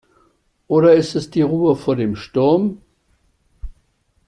Oder ist es die Ruhe vor dem Sturm?